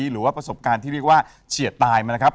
หรือว่าประสบการณ์ที่เรียกว่าเฉียดตายมานะครับ